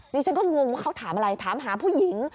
ดิฉันก็งงว่าเขาถามอะไรถามหาผู้หญิง